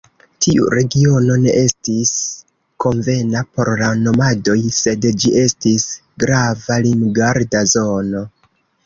Tiu regiono ne estis konvena por la nomadoj, sed ĝi estis grava limgarda zono.